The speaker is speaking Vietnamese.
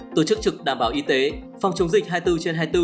tổ chức trực đảm bảo y tế phòng chống dịch hai mươi bốn trên hai mươi bốn